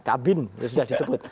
kabin sudah disebut